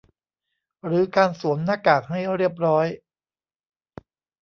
หรือการสวมหน้ากากให้เรียบร้อย